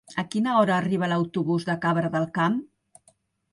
A quina hora arriba l'autobús de Cabra del Camp?